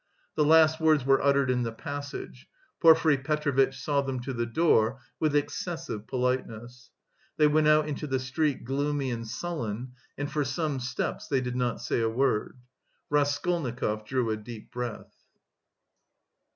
The last words were uttered in the passage. Porfiry Petrovitch saw them to the door with excessive politeness. They went out into the street gloomy and sullen, and for some steps they did not say a word. Raskolnikov drew a deep breath.